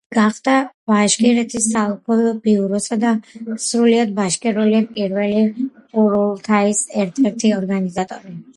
გახდა ბაშკირეთის საოლქო ბიუროსა და სრულიად ბაშკირული პირველი ყურულთაის ერთ-ერთი ორგანიზატორი.